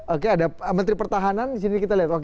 oke ada menteri pertahanan disini kita lihat